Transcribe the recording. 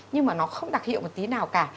nhưng mà nó không đặc hiệu một tí nào cả